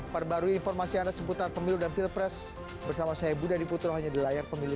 perbarui informasi anda seputar pemilu dan pilpres bersama saya budha diputro hanya di layar pemilu